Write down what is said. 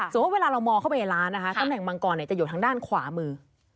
สมมุติเวลาเรามองเข้าไปร้านตำแหน่งมังกรจะอยู่ทางด้านขวามือ